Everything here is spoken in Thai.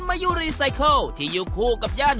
มายุรีไซเคิลที่อยู่คู่กับย่าน